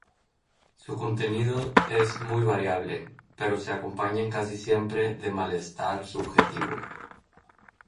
Su contenido es muy variable, pero se acompañan casi siempre de malestar subjetivo.